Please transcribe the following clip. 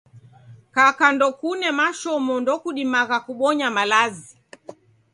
Kakai ndokune mashomo, ndokudumagha kubonya malazi.